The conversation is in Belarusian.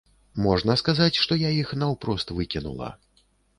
Можна сказаць, што я іх наўпрост выкінула.